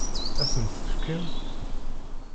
Ad sent-tt-fken?